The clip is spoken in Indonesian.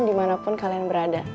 dimanapun kalian berada